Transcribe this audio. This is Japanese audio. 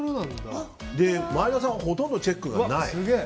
前田さんはほとんどチェックがない。